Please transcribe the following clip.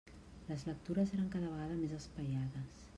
Les lectures eren cada vegada més espaiades.